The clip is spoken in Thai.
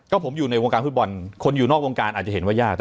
ก็ผมอยู่ในวงการฟุตบอลคนอยู่นอกวงการอาจจะเห็นว่ายาก